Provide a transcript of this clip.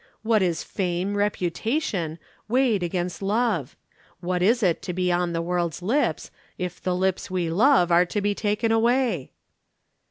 "What is fame, reputation, weighed against love? What is it to be on the World's lips, if the lips we love are to be taken away?"